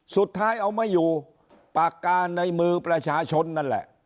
สุดท้ายเอามาอยู่ปากกาในมือประชาชนนั่นแหละ